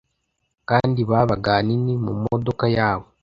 kandi babaga ahanini mumodoka yabo